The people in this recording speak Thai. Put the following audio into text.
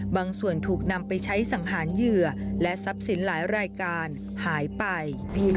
ถูกนำไปใช้สังหารเหยื่อและทรัพย์สินหลายรายการหายไป